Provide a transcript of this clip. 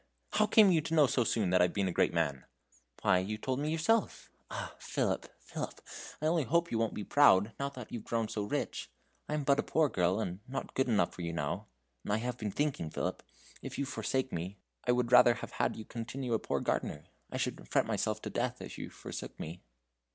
How came you to know so soon that I've been a great man?" "Why, you told me yourself. Ah! Philip, Philip, I only hope you won't be proud, now that you've grown so rich. I am but a poor girl, and not good enough for you now and I have been thinking, Philip, if you forsake me, I would rather have had you continue a poor gardener. I should fret myself to death if you forsook me."